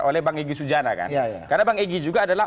oleh bang egy sujana kan karena bang egy juga adalah